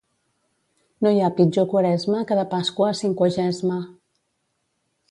No hi ha pitjor Quaresma que de Pasqua a Cinquagesma.